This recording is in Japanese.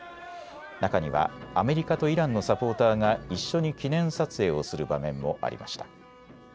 中にはアメリカとイランのサポーターが一緒に記念撮影をする場面もありました。